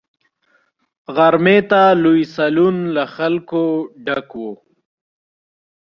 غرمې ته لوی سالون له خلکو ډک وو.